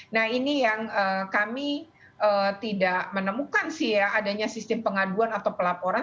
nah ini yang kami tidak menemukan sih ya adanya sistem pengaduan atau pelaporan